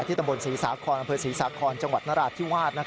ที่ตำบลศรีสาครบำเพิดศรีสาครจังหวัดนราศที่วาด